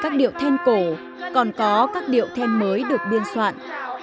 các điệu then cổ còn có các điệu then mới được biên soạn